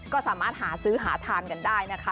ก็สามารถหาซื้อหาทานกันได้นะคะ